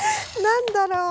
何だろう？